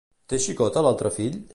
Té xicota l'altre fill?